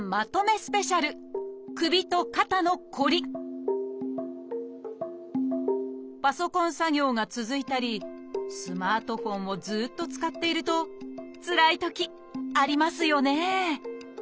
スペシャルパソコン作業が続いたりスマートフォンをずっと使っているとつらいときありますよね